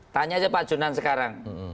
tanya aja pak jonan sekarang